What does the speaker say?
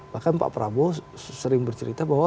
bahkan pak prabowo sering bercerita bahwa